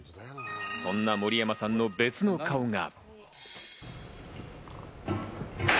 そんな森山さんの別の顔が。